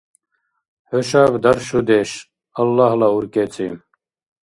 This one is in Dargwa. ХӀушаб даршудеш, Аллагьла уркӀецӀи.